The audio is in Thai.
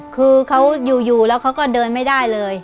คือเขาอยู่แล้วเขาก็เดินไม่ได้เลย